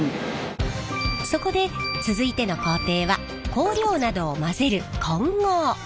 そこで続いての工程は香料などを混ぜる混合。